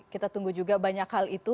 kita tunggu juga banyak hal itu